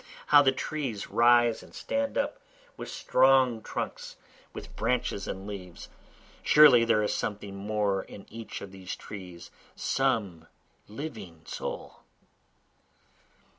How the trees rise and stand up, with strong trunks, with branches and leaves! (Surely there is something more in each of the trees, some living soul.)